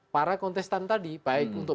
para kontestan tadi baik untuk